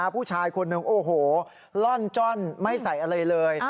ผู้ชายคนหนึ่งโอ้โหล่อนจ้อนไม่ใส่อะไรเลย